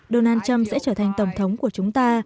donald trump sẽ trở thành tổng thống của chúng ta